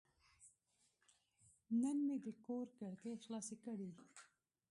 نن مې د کور کړکۍ خلاصې کړې.